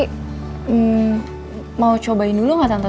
hmm mau cobain dulu gak tante